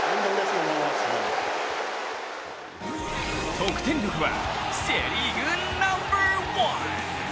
得点力はセ・リーグナンバーワン！